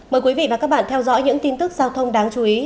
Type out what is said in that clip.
mời quý vị và các bạn theo dõi những tin tức giao thông đáng chú ý